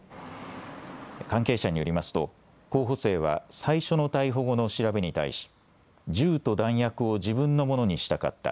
関係者によりますと候補生は最初の逮捕後の調べに対し銃と弾薬を自分のものにしたかった。